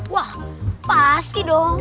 wah pasti dong